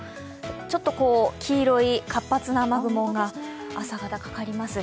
ちょっと黄色い活発な雨雲が朝方、かかります。